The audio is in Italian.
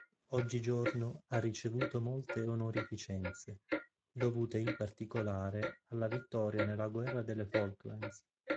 Oggigiorno ha ricevuto molte onorificenze, dovute in particolare alla vittoria nella Guerra delle Falklands.